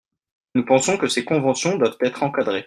Nous pensons que ces conventions doivent être encadrées.